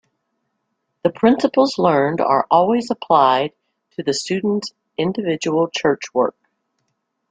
The principles learned are always applied to the student's individual church work.